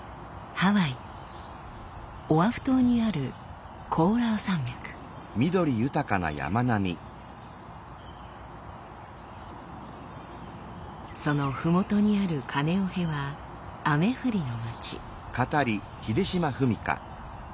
ハワイオアフ島にあるそのふもとにあるカネオヘは雨降りの町。